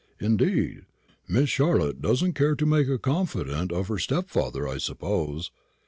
"Indeed! Miss Charlotte doesn't care to make a confidant of her stepfather, I suppose.